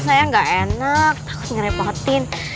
saya gak enak takut ngerepotin